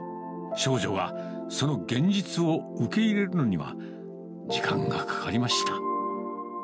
少女は、その現実を受け入れるのには時間がかかりました。